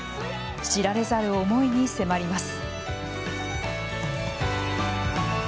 知られざる思いに迫ります。